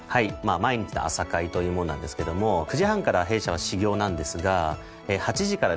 毎日の朝会というものなんですけども９時半から弊社は始業なんですが８時からですね